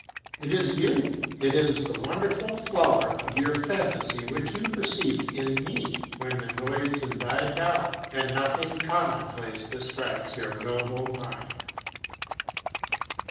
It is you, it is the wonderful flower of your fantasy which you perceive in me, when the noise has died down and nothing commonplace distracts your noble mind.